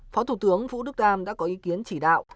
phó thủ tướng vũ đức đam đã có ý kiến chỉ đạo